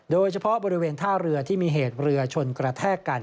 โดยเฉพาะบริเวณท่าเรือที่มีเหตุเรือชนกระแทกกัน